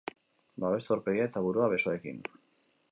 Babestu aurpegia eta burua besoekin.